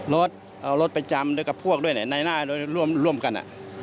รถรถเอารถไปจ่ำด้วยกับพวกด้วยนายน่านี่ร่วมกัน